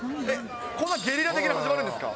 こんなゲリラ的に始まるんですか。